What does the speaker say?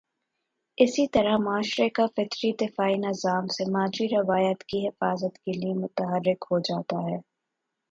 اسی طرح معاشرے کا فطری دفاعی نظام سماجی روایات کی حفاظت کے لیے متحرک ہو جاتا ہے۔